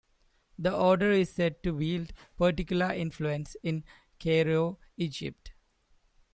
The order is said to wield particular influence in Cairo, Egypt.